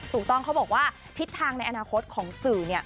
ถูกต้องเขาบอกว่าทิศทางในอนาคตของสื่อ